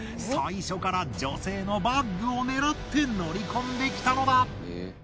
最初から女性のバッグを狙って乗り込んできたのだ。